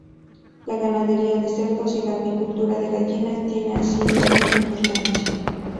La ganadería de cerdos y la apicultura de gallinas tienen asimismo su importancia.